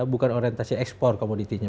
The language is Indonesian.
bukan orientasi ekspor komoditinya